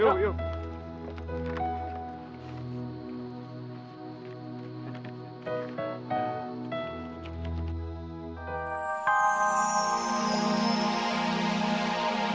sampai jumpa lagi